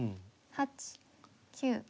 ８９。